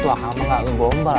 aku gak gombal